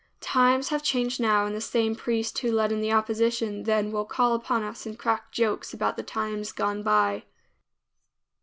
Times have changed now, and the same priest who led in the opposition then will call upon us and crack jokes about the times gone by.